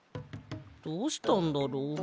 どうしたんだろう。